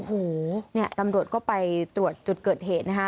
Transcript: โอ้โหเนี่ยตำรวจก็ไปตรวจจุดเกิดเหตุนะคะ